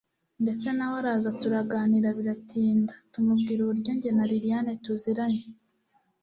ndetse nawe araza turaganira biratinda, tumubwira uburyo njye na lilian tuziranye